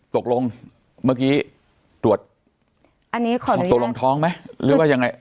ตกลงเมื่อกี้ตรวจตรวจลงท้องไหมหรือว่ายังไง